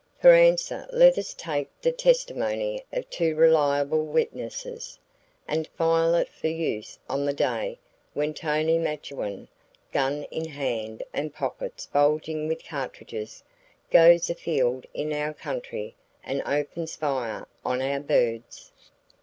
For answer let us take the testimony of two reliable witnesses, and file it for use on the day when Tony Macchewin, gun in hand and pockets bulging with cartridges, goes afield in our country and opens fire on our birds.